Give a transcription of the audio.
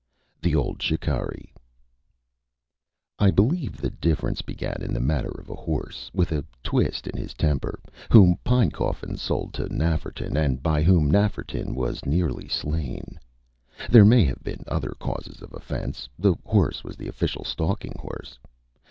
The Old Shikarri. I believe the difference began in the matter of a horse, with a twist in his temper, whom Pinecoffin sold to Nafferton and by whom Nafferton was nearly slain. There may have been other causes of offence; the horse was the official stalking horse.